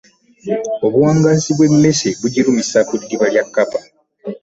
Obuwangaazi bw'emmese, bugikwasa ku ddiba lya Kkapa